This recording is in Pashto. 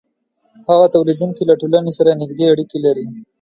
هغه تولیدونکی له ټولنې سره نږدې اړیکې لري